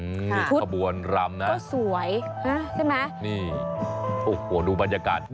ค่ะคุดก็สวยใช่ไหมนี่ขบวนรำนี่นี่โอ้โฮดูบรรยากาศ